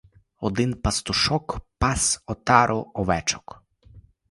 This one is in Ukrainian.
Один пастушок пас отару овечок.